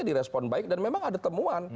direspon baik dan memang ada temuan